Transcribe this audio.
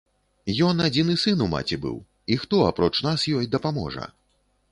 Ён адзіны сын у маці быў, і хто, апроч нас, ёй дапаможа?